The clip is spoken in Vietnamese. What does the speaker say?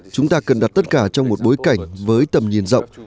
chúng ta cần đặt tất cả trong một bối cảnh với tầm nhìn rộng